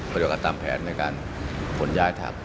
ประโยชน์กันตามแผนในการผลย้ายถาม